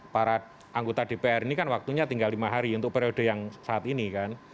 para anggota dpr ini kan waktunya tinggal lima hari untuk periode yang saat ini kan